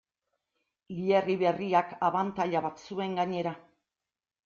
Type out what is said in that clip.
Hilerri berriak abantaila bat zuen gainera.